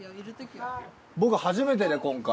僕初めてで今回。